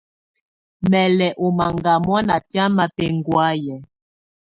Mè lɛ̀ ɔ́ mangamɔ ná biamɛ̀á bɛ̀nhɔ̀áyɛ̀.